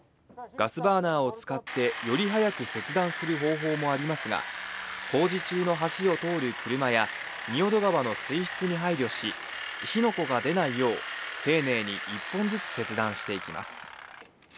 ガスバーナーを使ってより早く切断する方法もありますが工事中の橋を通る車や仁淀川の水質に配慮し火の粉が出ないよう丁寧に１本ずつ切断していきます。